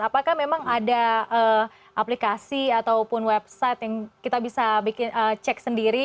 apakah memang ada aplikasi ataupun website yang kita bisa bikin cek sendiri